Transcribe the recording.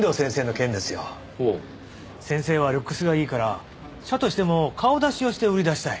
先生はルックスがいいから社としても顔出しをして売り出したい。